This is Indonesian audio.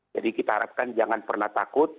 jadi kita harapkan jangan pernah takut